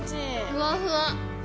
ふわふわ。